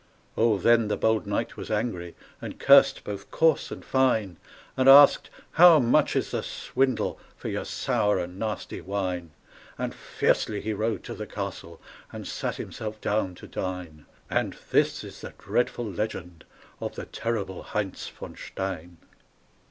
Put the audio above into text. Oh, then the bold knight was angry, And cursed both coarse and fine; And asked, "How much is the swindle For your sour and nasty wine?" And fiercely he rode to the castle And sat himself down to dine; And this is the dreadful legend Of the terrible Heinz von Stein.